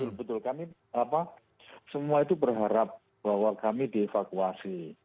betul betul kami semua itu berharap bahwa kami dievakuasi